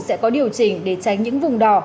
sẽ có điều chỉnh để tránh những vùng đỏ